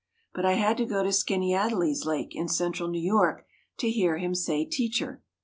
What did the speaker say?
But I had to go to Skaneateles Lake in central New York to hear him say "teacher."